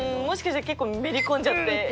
もしかして結構めり込んじゃって。